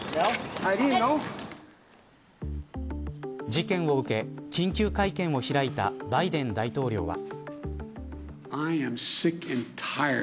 事件を受け緊急会見を開いたバイデン大統領は。